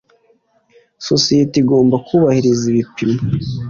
Sosiyete igomba kubahiriza ibipimo